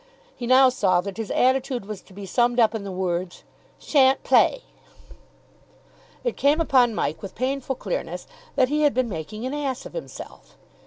He now saw that his attitude was to be summed up in the words, "Sha'n't play." It came upon Mike with painful clearness that he had been making an ass of himself.